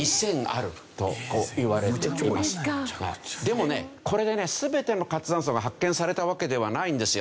でもねこれでね全ての活断層が発見されたわけではないんですよ。